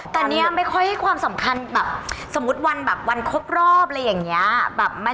แต่เนี่ยไม่ค่อยให้ความสำคัญแบบสมมุติวันแบบวันครบรอบอะไรอย่างนี้